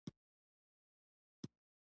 مقصد د هغې درناوی کول دي.